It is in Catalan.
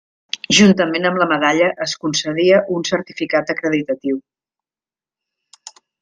Juntament amb la medalla es concedia un certificat acreditatiu.